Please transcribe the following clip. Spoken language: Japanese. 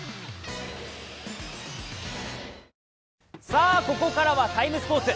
さあ、ここからは「ＴＩＭＥ，スポーツ」。